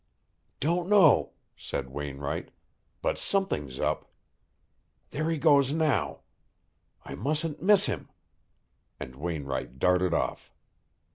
"Don't know," said Wainwright; "but something's up. There he goes now. I mustn't miss him." And Wainwright darted off.